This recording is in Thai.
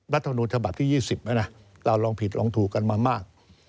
รัฐมนุนฉบับที่๒๐นะเราลองผิดลองถูกกันมามาก